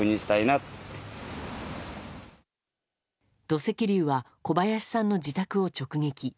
土石流は小林さんの自宅を直撃。